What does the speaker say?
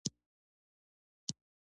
لرغوني پښتانه، شېخ کټه اثر دﺉ.